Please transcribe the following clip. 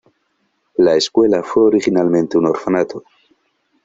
La escuela fue originalmente un orfanato.